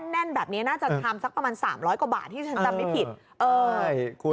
แน่นแบบนี้น่าจะทำสักประมาณ๓๐๐กว่าบาทที่ฉันจำไม่ผิด